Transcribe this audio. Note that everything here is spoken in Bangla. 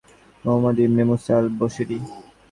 মুহাম্মদ ইবনে মুসা আল-বসরি